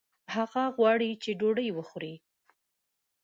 هغه غواړي چې ډوډۍ وخوړي